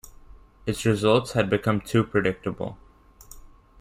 Its results had become too predictable.